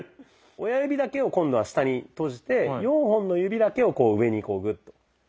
親指だけを今度は下に閉じて４本の指だけを上にこうグッと。